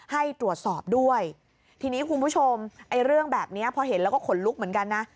ให้ตรวจสอบด้วยทีนี้คุณผู้ชมไอ้เรื่องแบบนี้พอเห็นแล้วก็ขนลุกเหมือนกันนะ